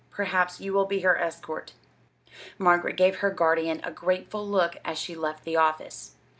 "Perhaps you will be her escort." Margaret gave her guardian a grateful look as she left the office.